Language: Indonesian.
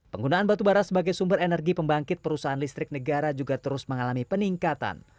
penggunaan batu bara sebagai sumber energi pembangkit perusahaan listrik negara juga terus mengalami peningkatan